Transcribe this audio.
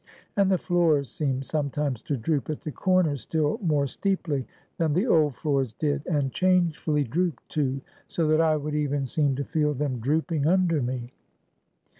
And the floors seemed sometimes to droop at the corners still more steeply than the old floors did; and changefully drooped too, so that I would even seem to feel them drooping under me.